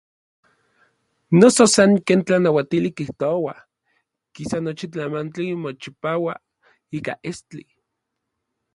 Noso san ken tlanauatili kijtoua, kisa nochi tlamantli mochipaua ika estli.